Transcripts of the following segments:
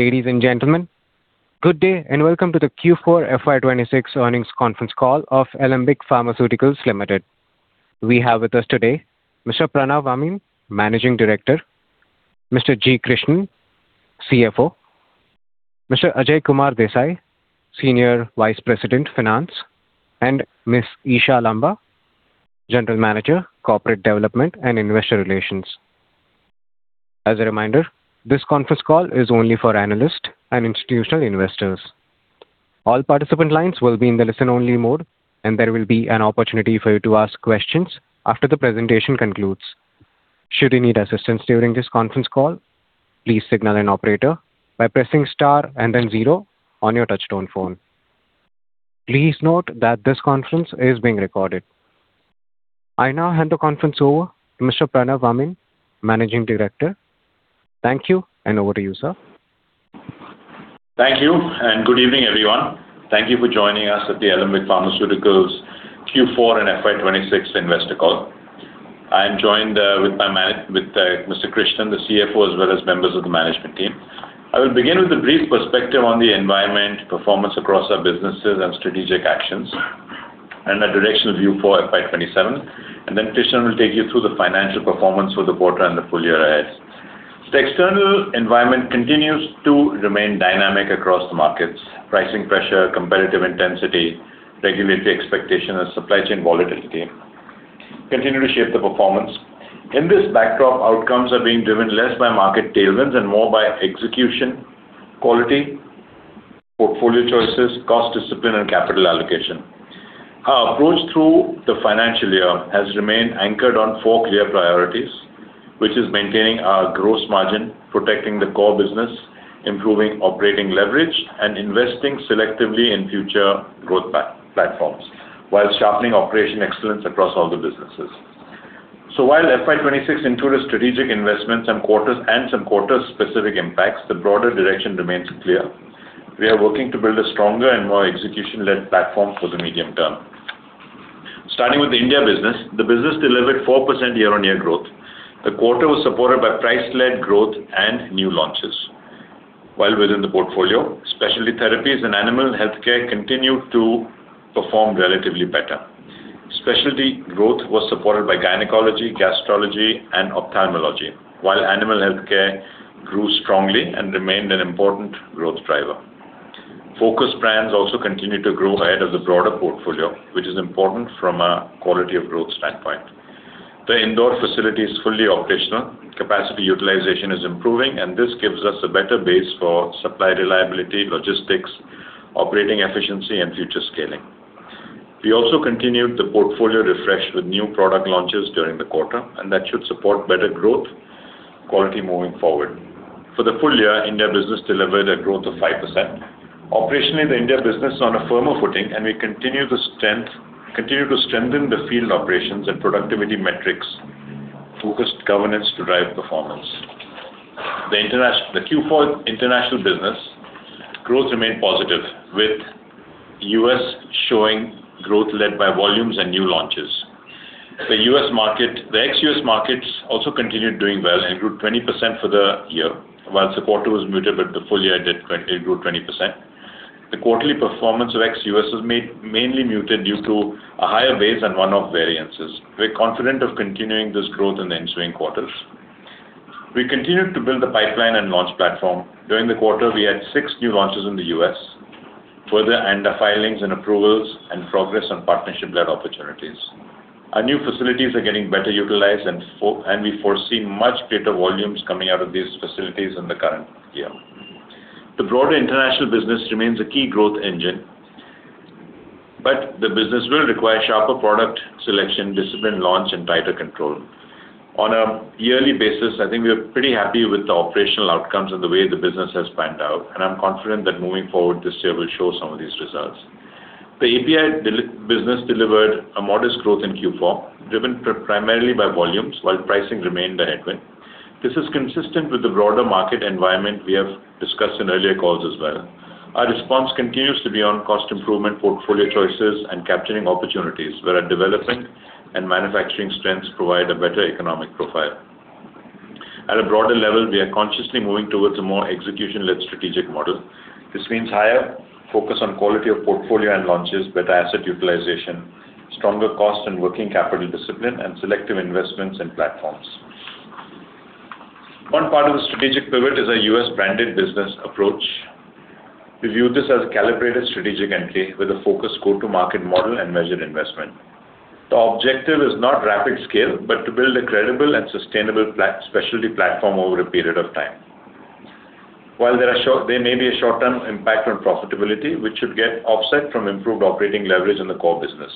Ladies and gentlemen, good day, and welcome to the Q4 FY 2026 earnings conference call of Alembic Pharmaceuticals Limited. We have with us today Mr. Pranav Amin, Managing Director, Mr. G. Krishnan, CFO, Mr. Ajay Kumar Desai, Senior Vice President, Finance, and Ms. Esha Lamba, General Manager, Corporate Development and Investor Relations. As a reminder, this conference call is only for analyst and institutional investors. All participant lines will be in the listen-only mode, and there will be an opportunity for you to ask questions after the presentation concludes. Should you need assistance during this conference call, please signal an operator by pressing star and then zero on your touchtone phone. Please note that this conference is being recorded. I now hand the conference over to Mr. Pranav Amin, Managing Director. Thank you, and over to you, sir. Thank you, good evening, everyone. Thank you for joining us at the Alembic Pharmaceuticals Q4 and FY 2026 investor call. I'm joined with Mr. Krishnan, the CFO, as well as members of the management team. I will begin with a brief perspective on the environment, performance across our businesses and strategic actions and the direction of Q4 FY 2027. Then Krishnan will take you through the financial performance for the quarter and the full year ahead. The external environment continues to remain dynamic across the markets. Pricing pressure, competitive intensity, regulatory expectation, and supply chain volatility continue to shape the performance. In this backdrop, outcomes are being driven less by market tailwinds and more by execution, quality, portfolio choices, cost discipline and capital allocation. Our approach through the financial year has remained anchored on four clear priorities, which is maintaining our gross margin, protecting the core business, improving operating leverage, and investing selectively in future growth platforms, while sharpening operation excellence across all the businesses. While FY 2026 included strategic investments and some quarter-specific impacts, the broader direction remains clear. We are working to build a stronger and more execution-led platform for the medium term. Starting with the India business, the business delivered 4% year-on-year growth. The quarter was supported by price-led growth and new launches. Within the portfolio, specialty therapies and animal healthcare continued to perform relatively better. Specialty growth was supported by gynecology, gastroenterology, and ophthalmology, while animal healthcare grew strongly and remained an important growth driver. Focus brands also continued to grow ahead of the broader portfolio, which is important from a quality of growth standpoint. The Indore facility is fully operational. Capacity utilization is improving, and this gives us a better base for supply reliability, logistics, operating efficiency and future scaling. We also continued the portfolio refresh with new product launches during the quarter, and that should support better growth quality moving forward. For the full year, India business delivered a growth of 5%. Operationally, the India business is on a firmer footing, and we continue to strengthen the field operations and productivity metrics, focused governance to drive performance. The Q4 international business growth remained positive, with U.S. showing growth led by volumes and new launches. The ex-U.S. markets also continued doing well and grew 20% for the year. While the quarter was muted, but the full year it grew 20%. The quarterly performance of ex-US was mainly muted due to a higher base and one-off variances. We're confident of continuing this growth in the ensuing quarters. We continued to build the pipeline and launch platform. During the quarter, we had six new launches in the U.S., further ANDA filings and approvals and progress on partnership-led opportunities. Our new facilities are getting better utilized and we foresee much greater volumes coming out of these facilities in the current year. The broader international business remains a key growth engine, the business will require sharper product selection, discipline, launch, and tighter control. On a yearly basis, I think we are pretty happy with the operational outcomes and the way the business has panned out, I'm confident that moving forward this year will show some of these results. The API business delivered a modest growth in Q4, driven primarily by volumes while pricing remained a headwind. This is consistent with the broader market environment we have discussed in earlier calls as well. Our response continues to be on cost improvement, portfolio choices, and capturing opportunities where our developing and manufacturing strengths provide a better economic profile. At a broader level, we are consciously moving towards a more execution-led strategic model. This means higher focus on quality of portfolio and launches, better asset utilization, stronger cost and working capital discipline, and selective investments in platforms. One part of the strategic pivot is our U.S. branded business approach. We view this as a calibrated strategic entry with a focused go-to-market model and measured investment. The objective is not rapid scale, but to build a credible and sustainable specialty platform over a period of time. While there may be a short-term impact on profitability, which should get offset from improved operating leverage in the core business.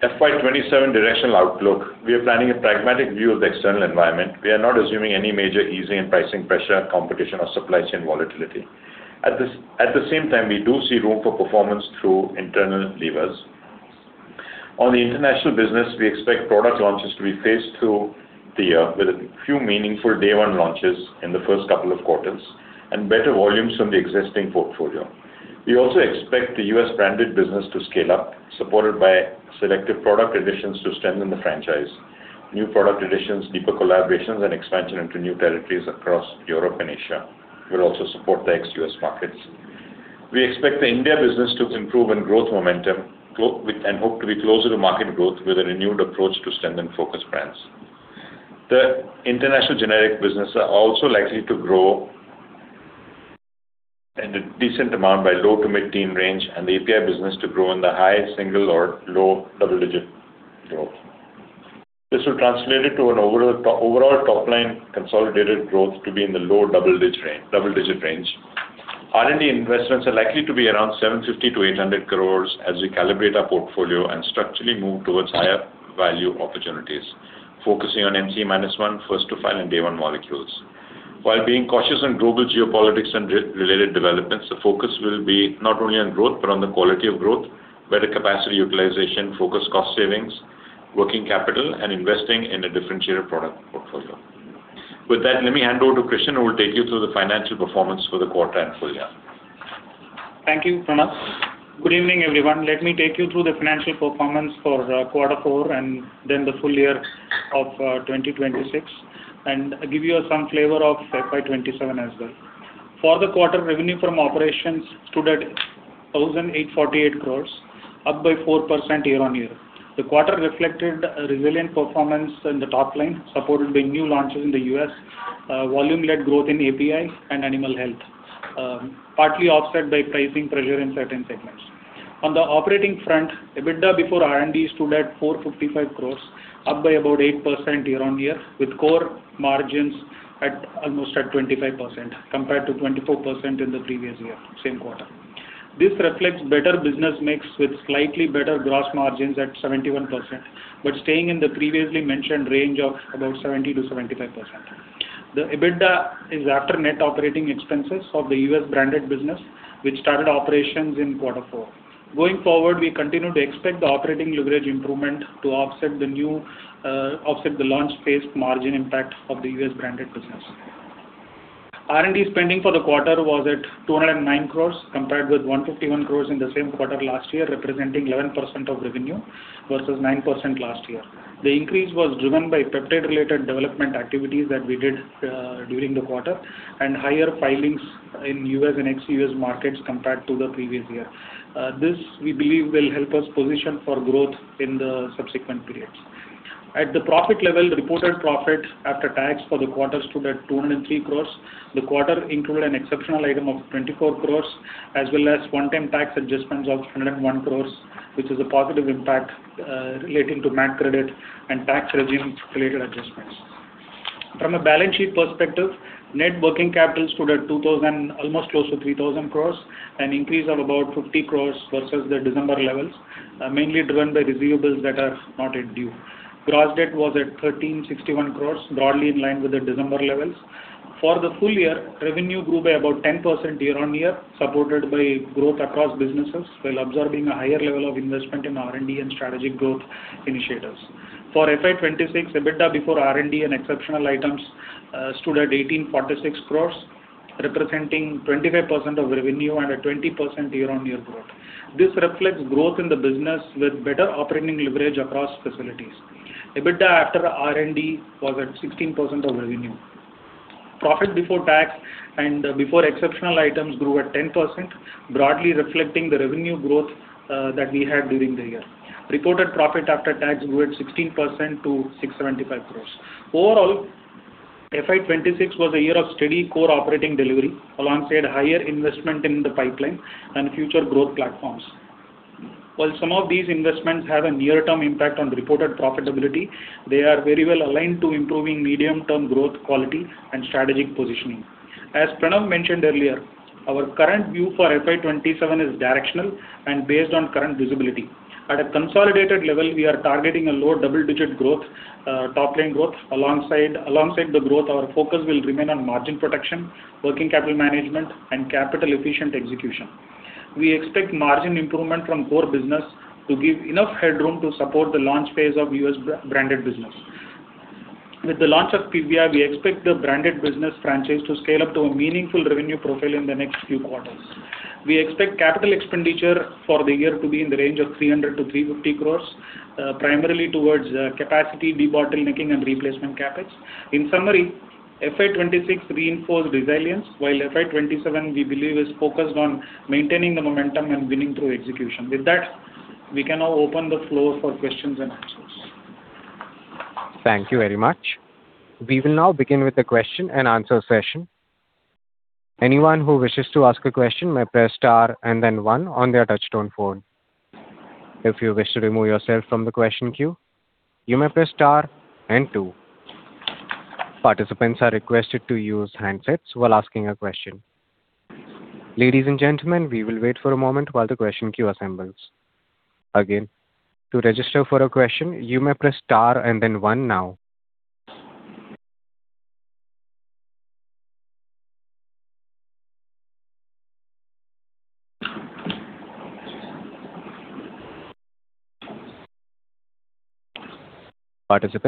In terms of the FY 2027 directional outlook, we are planning a pragmatic view of the external environment. We are not assuming any major easing in pricing pressure, competition or supply chain volatility. At the same time, we do see room for performance through internal levers. On the international business, we expect product launches to be paced through the year with a few meaningful day one launches in the first couple of quarters and better volumes from the existing portfolio. We also expect the U.S. branded business to scale up, supported by selective product additions to strengthen the franchise. New product additions, deeper collaborations, and expansion into new territories across Europe and Asia will also support the ex-US markets. We expect the India business to improve in growth momentum with and hope to be closer to market growth with a renewed approach to strengthen focused brands. The international generic business are also likely to grow in a decent amount by low to mid-teen range, and the API business to grow in the high single or low double-digit growth. This will translate it to an overall top line consolidated growth to be in the low double-digit range. R&D investments are likely to be around 750 crores-800 crores as we calibrate our portfolio and structurally move towards higher value opportunities, focusing on NCE-1, first to file, and day one molecules. While being cautious on global geopolitics and [re-related] developments, the focus will be not only on growth but on the quality of growth, better capacity utilization, focused cost savings, working capital, and investing in a differentiated product portfolio. With that, let me hand over to Krishnan, who will take you through the financial performance for the quarter and full year. Thank you, Pranav. Good evening, everyone. Let me take you through the financial performance for Q4 and then the full year of 2026, and give you some flavor of FY 2027 as well. For the quarter, revenue from operations stood at 1,848 crores, up by 4% year-on-year. The quarter reflected a resilient performance in the top line, supported by new launches in the U.S., volume-led growth in APIs and animal health, partly offset by pricing pressure in certain segments. On the operating front, EBITDA before R&D stood at 455 crores, up by about 8% year-on-year, with core margins at almost 25%, compared to 24% in the previous year, same quarter. This reflects better business mix with slightly better gross margins at 71%, staying in the previously mentioned range of about 70%-75%. The EBITDA is after net operating expenses of the U.S. branded business, which started operations in quarter four. Going forward, we continue to expect the operating leverage improvement to offset the launch phase margin impact of the U.S. branded business. R&D spending for the quarter was at 209 crore compared with 151 crore in the same quarter last year, representing 11% of revenue versus 9% last year. The increase was driven by peptide-related development activities that we did during the quarter and higher filings in U.S. and ex-U.S. markets compared to the previous year. This, we believe, will help us position for growth in the subsequent periods. At the profit level, the reported profit after tax for the quarter stood at 203 crore. The quarter included an exceptional item of 24 crores as well as one-time tax adjustments of 301 crores, which is a positive impact relating to MAT credit and tax regimes-related adjustments. From a balance sheet perspective, net working capital stood at 2,000, almost close to 3,000 crores, an increase of about 50 crores versus the December levels, mainly driven by receivables that are not yet due. Gross debt was at 1,361 crores, broadly in line with the December levels. For the full year, revenue grew by about 10% year-on-year, supported by growth across businesses while absorbing a higher level of investment in R&D and strategic growth initiatives. For FY 2026, EBITDA before R&D and exceptional items stood at 1,846 crores, representing 25% of revenue and a 20% year-on-year growth. This reflects growth in the business with better operating leverage across facilities. EBITDA after R&D was at 16% of revenue. Profit before tax and before exceptional items grew at 10%, broadly reflecting the revenue growth that we had during the year. Reported profit after tax grew at 16% to 675 crores. Overall, FY 2026 was a year of steady core operating delivery alongside higher investment in the pipeline and future growth platforms. While some of these investments have a near-term impact on reported profitability, they are very well aligned to improving medium-term growth quality and strategic positioning. As Pranav mentioned earlier, our current view for FY 2027 is directional and based on current visibility. At a consolidated level, we are targeting a low double-digit growth top-line growth. Alongside the growth, our focus will remain on margin protection, working capital management, and capital-efficient execution. We expect margin improvement from core business to give enough headroom to support the launch phase of US branded business. With the launch of Pivya, we expect the branded business franchise to scale up to a meaningful revenue profile in the next few quarters. We expect capital expenditure for the year to be in the range of 300 crores-350 crores, primarily towards capacity debottlenecking and replacement CapEx. In summary, FY 2026 reinforced resilience, while FY 2027, we believe, is focused on maintaining the momentum and winning through execution. With that, we can now open the floor for questions and answers. Thank you very much. We will now begin with the question and answer session. Participants are requested to use handsets while asking a question. Ladies and gentlemen, we will wait for a moment while the question queue assembles. Your first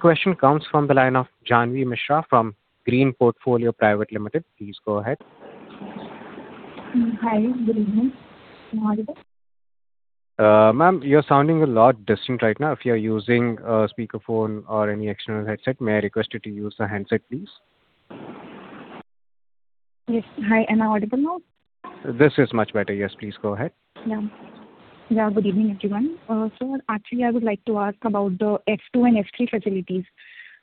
question comes from the line of Jahnvi Mishra from Green Portfolio Private Limited. Please go ahead. Hi, good evening. Am I audible? Ma'am, you're sounding a lot distant right now. If you're using a speakerphone or any external headset, may I request you to use the handset, please? Yes. Hi, am I audible now? This is much better. Yes, please go ahead. Yeah. Yeah, good evening, everyone. Actually I would like to ask about the F2 and F3 facilities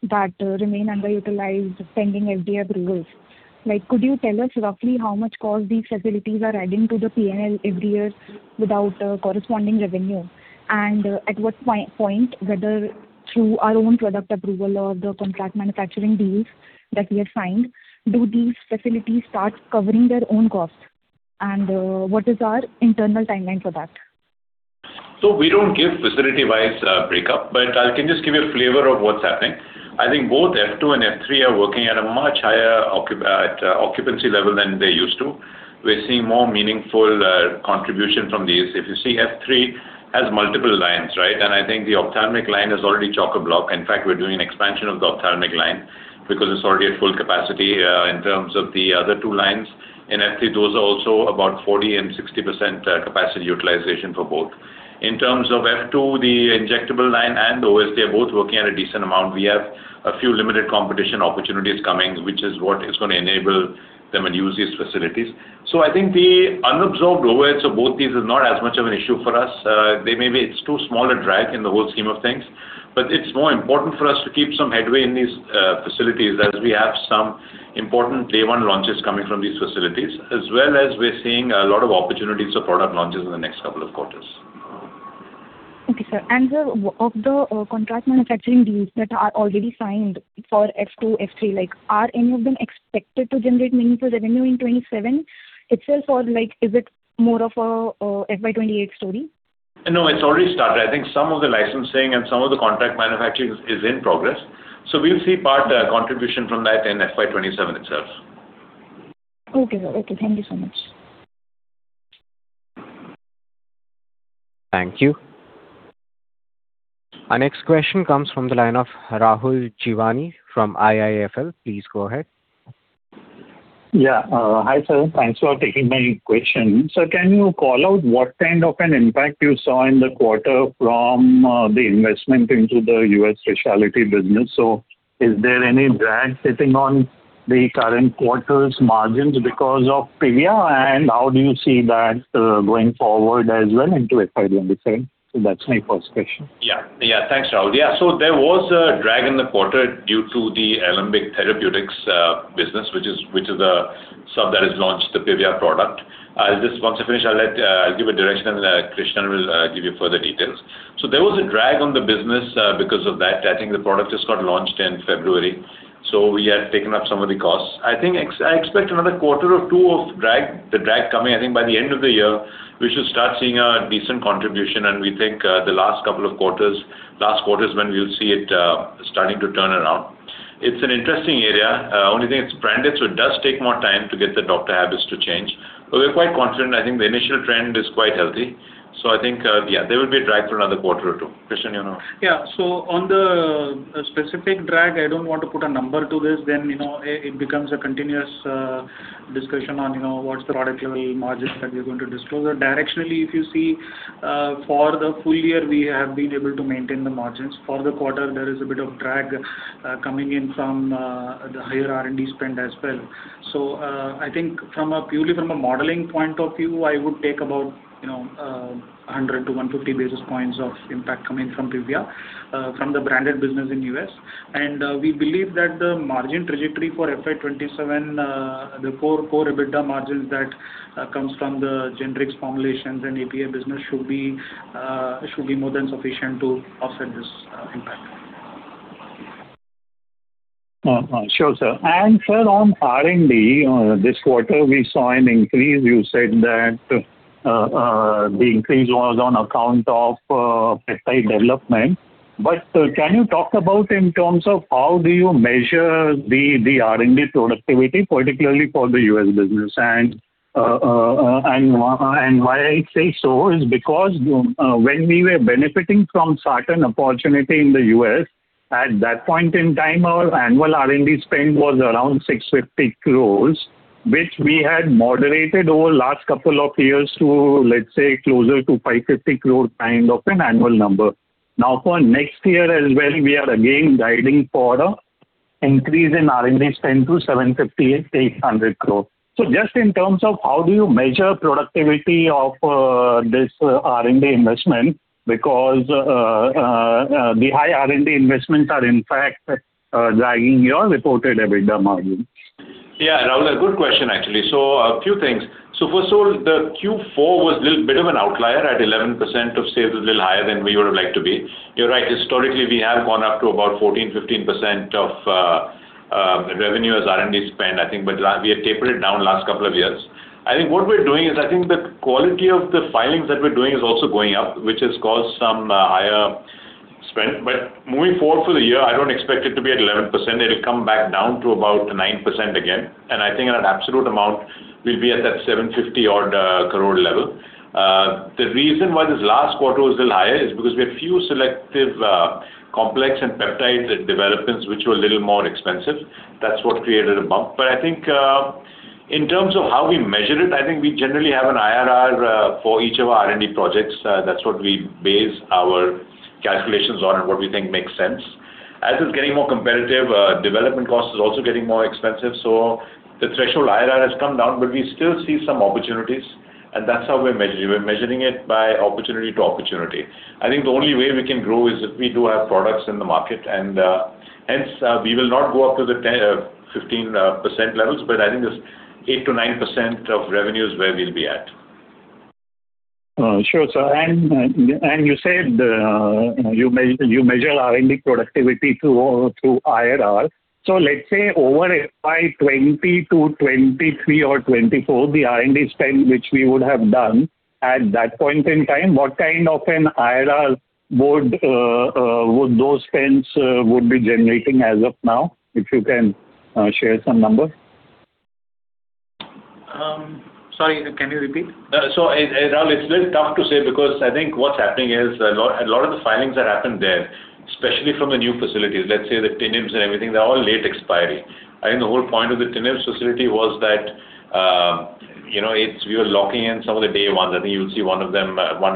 that remain underutilized pending FDA approvals. Like, could you tell us roughly how much cost these facilities are adding to the PNL every year without corresponding revenue? At what point, whether through our own product approval or the contract manufacturing deals that we have signed, do these facilities start covering their own costs? What is our internal timeline for that? We don't give facility-wise breakup, but I can just give you a flavor of what's happening. I think both F2 and F3 are working at a much higher occupancy level than they used to. We're seeing more meaningful contribution from these. If you see F3 has multiple lines, right? I think the ophthalmic line is already chock-a-block. In fact, we're doing an expansion of the ophthalmic line because it's already at full capacity in terms of the other two lines. In F3, those are also about 40% and 60% capacity utilization for both. In terms of F2, the injectable line and OSD, they're both working at a decent amount. We have a few limited competition opportunities coming, which is what is gonna enable them and use these facilities. I think the unabsorbed overheads of both these is not as much of an issue for us. It's too small a drag in the whole scheme of things, but it's more important for us to keep some headway in these facilities as we have some important day one launches coming from these facilities, as well as we're seeing a lot of opportunities for product launches in the next 2 quarters. Okay, sir. Of the contract manufacturing deals that are already signed for FY 2027, FY 2028, like are any of them expected to generate meaningful revenue in FY 2027 itself, or like is it more of a FY 2028 story? No, it's already started. I think some of the licensing and some of the contract manufacturing is in progress. We'll see part contribution from that in FY 2027 itself. Okay, sir. Okay, thank you so much. Thank you. Our next question comes from the line of Rahul Jeewani from IIFL. Please go ahead. Yeah. Hi, sir. Thanks for taking my question. Sir, can you call out what kind of an impact you saw in the quarter from the investment into the U.S. specialty business? Is there any drag sitting on the current quarter's margins because of Pivya and how do you see that going forward as well into FY 2027? That's my first question. Thanks, Rahul. There was a drag in the quarter due to the Alembic Therapeutics business, which is the sub that has launched the Pivya product. Once I finish, I'll let, I'll give a direction and Krishnan will give you further details. There was a drag on the business because of that. I think the product just got launched in February, so we had taken up some of the costs. I think I expect another quarter or two of drag, the drag coming. I think by the end of the year, we should start seeing a decent contribution, and we think, the last couple of quarters, last quarter is when we'll see it starting to turn around. It's an interesting area. Only thing, it's branded, so it does take more time to get the doctor habits to change. We're quite confident. I think the initial trend is quite healthy. I think, yeah, there will be a drag for another quarter or two. Krishnan, you know? On the specific drag, I don't want to put a number to this, then, you know, it becomes a continuous discussion on, you know, what's the product level margins that we're going to disclose. Directionally, if you see, for the full year, we have been able to maintain the margins. For the quarter, there is a bit of drag, coming in from the higher R&D spend as well. I think from a purely from a modeling point of view, I would take about, you know, 100 to 150 basis points of impact coming from Pivya, from the branded business in U.S. We believe that the margin trajectory for FY 2027, the core EBITDA margins that comes from the generics formulations and API business should be more than sufficient to offset this impact. Sure, sir. Sir, on R&D, this quarter we saw an increase. You said that the increase was on account of peptide development. Can you talk about in terms of how do you measure the R&D productivity, particularly for the U.S. business? Why I say so is because when we were benefiting from certain opportunity in the U.S., at that point in time, our annual R&D spend was around 650 crore, which we had moderated over last couple of years to, let's say, closer to 550 crore kind of an annual number. For next year as well, we are again guiding for an increase in R&D spend to 750 crore-800 crore. Just in terms of how do you measure productivity of this R&D investment because the high R&D investments are in fact dragging your reported EBITDA margin. Rahul, a good question actually. A few things. First of all, the Q4 was a little bit of an outlier at 11% of sales, a little higher than we would have liked to be. You're right, historically, we have gone up to about 14%, 15% of revenue as R&D spend, I think, but we have tapered it down the last couples of year years. I think what we're doing is I think the quality of the filings that we're doing is also going up, which has caused some higher spend. Moving forward for the year, I don't expect it to be at 11%. It'll come back down to about 9% again. I think in an absolute amount we'll be at that 750 odd crore level. The reason why this last quarter was a little higher is because we have few selective, complex and peptide de-developments which were a little more expensive. That's what created a bump. I think, in terms of how we measure it, I think we generally have an IRR for each of our R&D projects. That's what we base our calculations on and what we think makes sense. As it's getting more competitive, development cost is also getting more expensive, so the threshold IRR has come down, but we still see some opportunities and that's how we're measuring. We're measuring it by opportunity to opportunity. I think the only way we can grow is if we do have products in the market and, hence, we will not go up to the 10%, 15% levels, but I think it's 8% to 9% of revenue is where we'll be at. Sure, sir. You said, you measure R&D productivity through IRR. Let's say over FY 2020 to 2023 or 2024, the R&D spend which we would have done at that point in time, what kind of an IRR would those spends be generating as of now, if you can share some number? Sorry, can you repeat? Rahul, it's a little tough to say because I think what's happening is a lot of the filings that happened there, especially from the new facilities, let's say the [Tinams] and everything, they're all late expiry. I think the whole point of the Tinams facility was that, you know, we were locking in some of the day one. I think you'll see one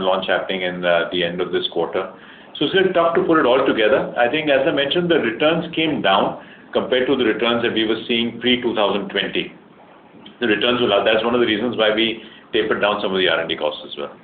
launch happening in the end of this quarter. It's a little tough to put it all together. I think as I mentioned, the returns came down compared to the returns that we were seeing pre 2020. The returns were. That's one of the reasons why we tapered down some of the R&D costs as well.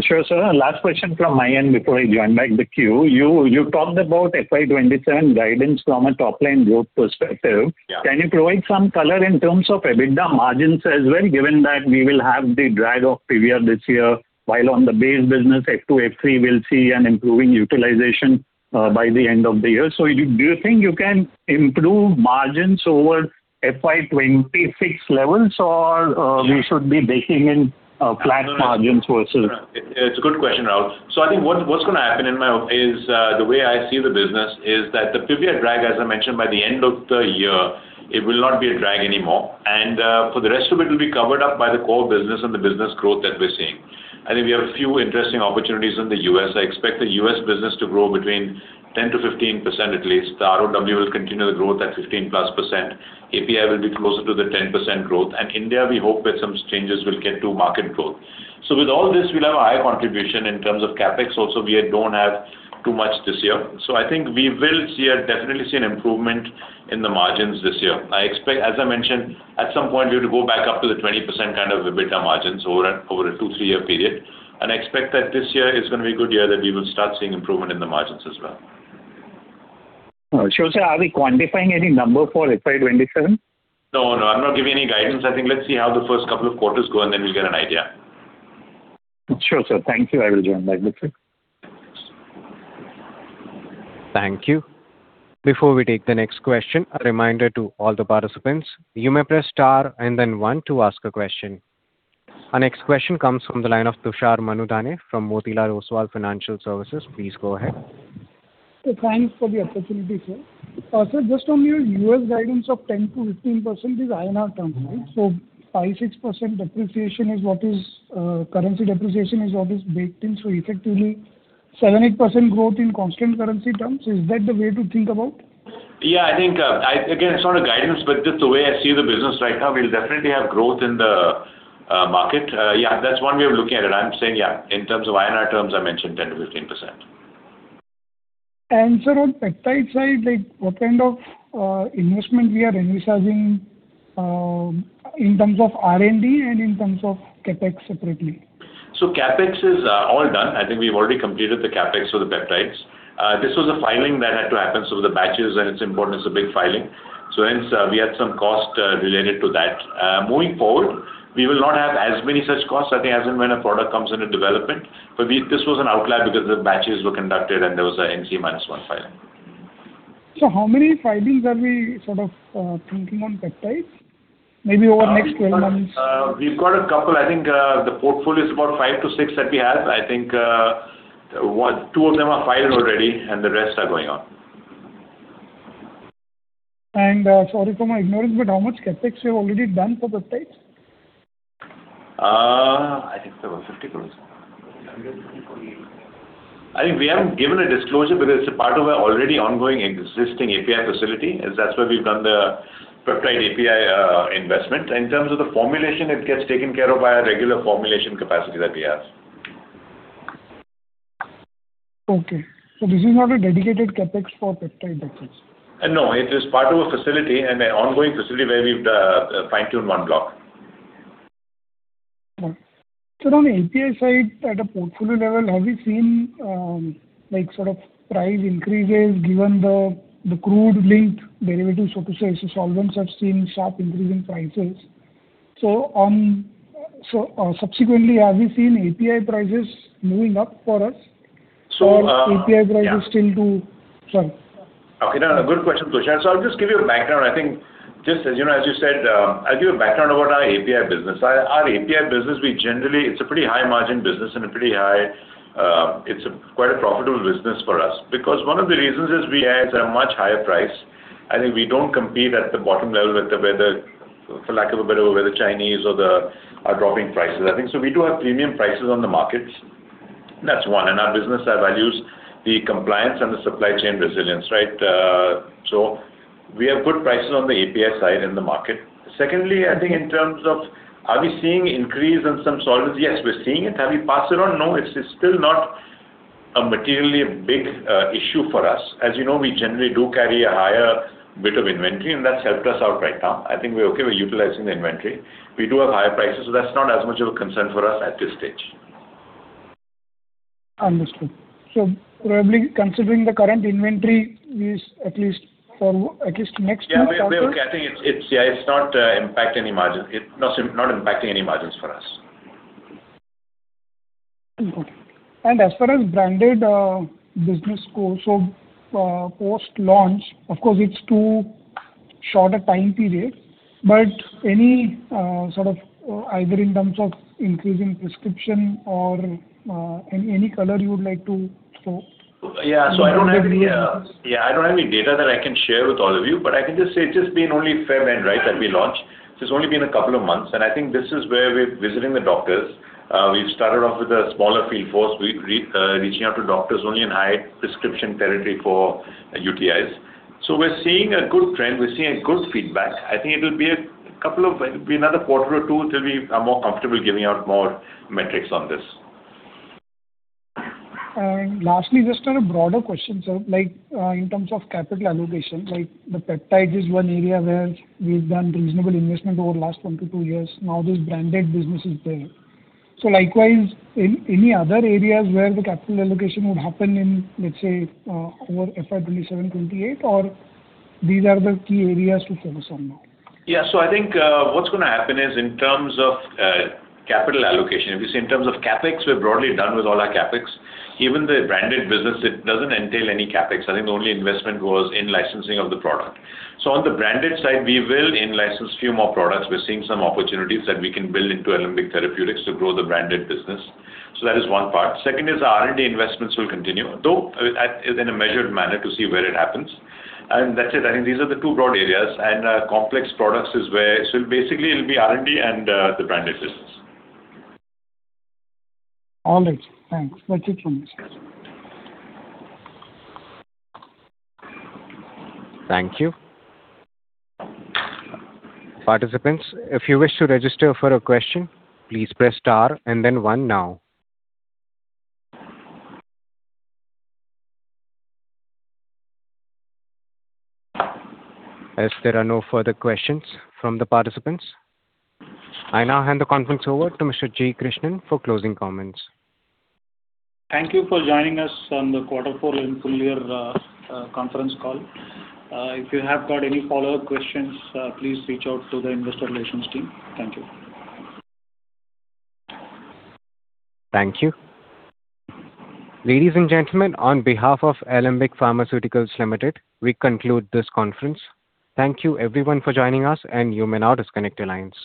Sure, sir. Last question from my end before I join back the queue. You talked about FY 2027 guidance from a top line growth perspective. Yeah. Can you provide some color in terms of EBITDA margins as well, given that we will have the drag of Pivya this year, while on the base business, F2, F3 will see an improving utilization by the end of the year. Do you think you can improve margins over FY 2026 levels? Yeah we should be baking in flat margins also? No, no. It's a good question, Rahul. I think what's gonna happen is the way I see the business is that the Pivya drag, as I mentioned, by the end of the year it will not be a drag anymore. For the rest of it'll be covered up by the core business and the business growth that we're seeing. I think we have a few interesting opportunities in the US. I expect the US business to grow between 10%-15% at least. The ROW will continue the growth at 15%+. API will be closer to the 10% growth. India we hope with some changes will get to market growth. With all this we'll have a higher contribution in terms of CapEx. Also, we don't have too much this year. I think we will definitely see an improvement in the margins this year. I expect, as I mentioned, at some point we have to go back up to the 20% kind of EBITDA margins over a two, three-year period. I expect that this year is going to be a good year, that we will start seeing improvement in the margins as well. Sure, sir. Are we quantifying any number for FY 2027? No, no, I'm not giving any guidance. I think let's see how the first couple of quarters go and then we'll get an idea. Sure, sir. Thank you. I will join back the queue. Thank you. Before we take the next question, a reminder to all the participants, you may press star and then one to ask a question. Our next question comes from the line of Tushar Manudhane from Motilal Oswal Financial Services. Please go ahead. Thanks for the opportunity, sir. Sir, just on your U.S. guidance of 10%-15% is INR terms, right? 5%-6% depreciation is what is currency depreciation is what is baked in. Effectively 7%-8% growth in constant currency terms, is that the way to think about? I think, Again, it's not a guidance, but just the way I see the business right now, we'll definitely have growth in the market. That's one way of looking at it. I'm saying, in terms of INR terms, I mentioned 10%-15%. Sir, on peptide side, like, what kind of investment we are envisaging in terms of R&D and in terms of CapEx separately? CapEx is all done. I think we've already completed the CapEx for the peptides. This was a filing that had to happen. The batches and it's important, it's a big filing. Hence, we had some cost related to that. Moving forward, we will not have as many such costs, I think as and when a product comes into development. For me, this was an outlier because the batches were conducted and there was a NCE-1 filing. How many filings are we sort of thinking on peptides? Maybe over next 12 months. We've got a couple. I think, the portfolio is about five to six that we have. I think, two of them are filed already and the rest are going on. Sorry for my ignorance, but how much CapEx you have already done for peptides? I think there were 50 crores. I think we haven't given a disclosure because it's a part of our already ongoing existing API facility. That's where we've done the peptide API investment. In terms of the formulation, it gets taken care of by our regular formulation capacity that we have. Okay. This is not a dedicated CapEx for peptide backups? no, it is part of a facility, an ongoing facility where we've fine-tuned one block. Right. Sir, on API side, at a portfolio level, have you seen like sort of price increases given the crude linked derivative, so to say? Solvents have seen sharp increase in prices. Subsequently, have you seen API prices moving up for us? So, uh- API prices still too- No, good question, Tushar. I'll just give you a background. Just as, you know, as you said, I'll give you a background about our API business. Our API business, it's a pretty high margin business and a pretty high, it's quite a profitable business for us. One of the reasons is we add a much higher price. We don't compete at the bottom level with the other, for lack of a better word, the Chinese or the others dropping prices. We do have premium prices on the markets. That's one. Our business values the compliance and the supply chain resilience, right? We have good prices on the API side in the market. Secondly, in terms of are we seeing increase in some solvents? Yes, we're seeing it. Have we passed it on? No. It's still not a materially big issue for us. As you know, we generally do carry a higher bit of inventory. That's helped us out right now. I think we're okay with utilizing the inventory. We do have higher prices. That's not as much of a concern for us at this stage. Understood. probably considering the current inventory is at least for next two quarters. Yeah, we're okay. I think it's Yeah, it's not impact any margin. It's not impacting any margins for us. Okay. As far as branded, business go, so, post-launch, of course it's too short a time period, but any, sort of either in terms of increasing prescription or, any color you would like to throw. Yeah. In terms of real business. Yeah, I don't have any data that I can share with all of you, but I can just say it's just been only Feb-End, right, that we launched. It's only been a couple of months, and I think this is where we're visiting the doctors. We've started off with a smaller field force. We reaching out to doctors only in high prescription territory for UTIs. We're seeing a good trend. We're seeing good feedback. I think it'll be another quarter or two till we are more comfortable giving out more metrics on this. Lastly, just on a broader question, sir, like, in terms of capital allocation, like the peptide is 1 area where we've done reasonable investment over the last one to two years. Now this branded business is there. Likewise, any other areas where the capital allocation would happen in, let's say, over FY 2027, FY 2028, or these are the key areas to focus on now? I think, what's gonna happen is in terms of capital allocation, if you say in terms of CapEx, we're broadly done with all our CapEx. Even the branded business, it doesn't entail any CapEx. I think the only investment was in licensing of the product. On the branded side, we will in-license few more products. We're seeing some opportunities that we can build into Alembic Therapeutics to grow the branded business. That is one part. Second is our R&D investments will continue, though in a measured manner to see where it happens. That's it. I think these are the two broad areas. Basically it'll be R&D and the branded business. All right. Thanks. Thank you so much. Thank you. As there are no further questions from the participants, I now hand the conference over to Mr. G. Krishnan for closing comments. Thank you for joining us on the quarter four and full year conference call. If you have got any follow-up questions, please reach out to the investor relations team. Thank you. Thank you. Ladies and gentlemen, on behalf of Alembic Pharmaceuticals Limited, we conclude this conference. Thank you everyone for joining us, and you may now disconnect your lines.